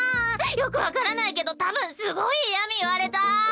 よく分からないけどたぶんすごい嫌み言われた！